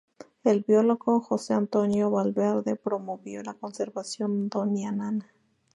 El biólogo Jose Antonio Valverde promovió la conservación Doñana.